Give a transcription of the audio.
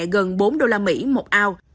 gần bốn đô la mỹ một ao